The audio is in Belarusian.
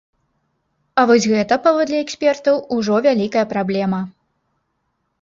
А вось гэта, паводле экспертаў, ужо вялікая праблема.